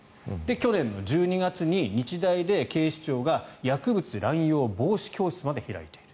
去年の１２月に日大で警視庁が薬物乱用防止教室まで開いている。